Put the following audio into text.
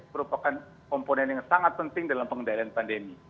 merupakan komponen yang sangat penting dalam pengendalian pandemi